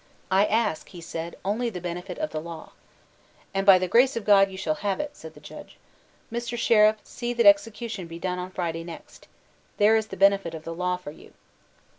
"I ask" he said, "only the benefit of the law." "And, by the grace of God, you shall have it," said the judge. "Mr. Sheriff, see that execution be done on Friday next. There is the benefit of the law for you."